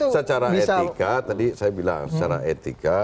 secara etika tadi saya bilang secara etika